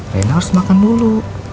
rena harus makan dulu